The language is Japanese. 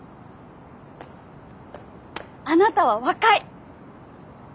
あなたは若い。